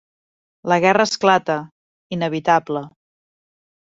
La guerra esclata, inevitable.